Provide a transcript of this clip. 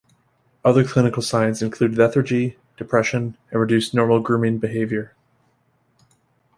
Other clinical signs include lethargy, depression, and reduced normal grooming behaviour.